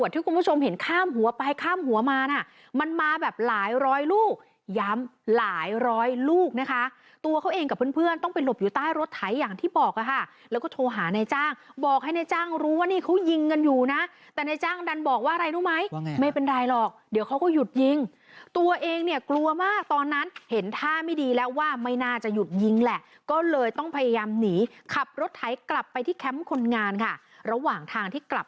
ตัวเขาเองกับเพื่อนต้องไปหลบอยู่ใต้รถถ่ายอย่างที่บอกแล้วก็โทรหานายจ้างบอกให้นายจ้างรู้ว่านี่เขายิงกันอยู่แต่นายจ้างดันบอกว่าอะไรรู้ไหมไม่เป็นไรหรอกเดี๋ยวเขาก็หยุดยิงตัวเองกลัวมากตอนนั้นเห็นท่าไม่ดีแล้วว่าไม่น่าจะหยุดยิงแหละก็เลยต้องพยายามหนีขับรถถ่ายกลับไปที่แคมป์คนงานระหว่างทางที่กลับ